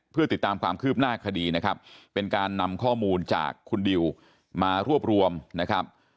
เพื่อติดตามความคืบหน้าคดีนะครับเป็นการนำข้อมูลจากคุณดิวมารวบรวมนะครับ